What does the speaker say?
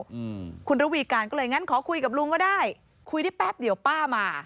อืมคุณระวีการก็เลยงั้นขอคุยกับลุงก็ได้คุยได้แป๊บเดี๋ยวป้ามา